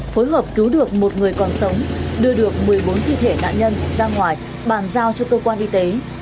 phối hợp cứu được một người còn sống đưa được một mươi bốn thi thể nạn nhân ra ngoài bàn giao cho cơ quan y tế